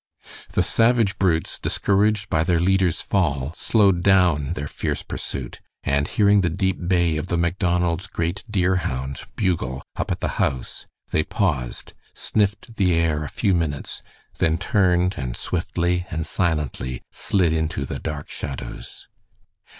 The savage brutes, discouraged by their leader's fall, slowed down their fierce pursuit, and hearing the deep bay of the Macdonalds' great deerhound, Bugle, up at the house, they paused, sniffed the air a few minutes, then turned and swiftly and silently slid into the dark shadows.